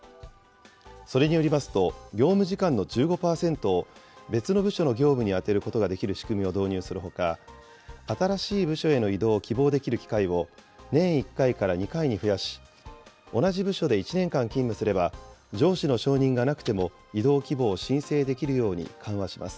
それによりますと、業務時間の１５％を別の部署の業務に充てることができる仕組みを導入するほか、新しい部署への異動を希望できる機会を年１回から２回に増やし、同じ部署で１年間勤務すれば、上司の承認がなくても、異動希望を申請できるように緩和します。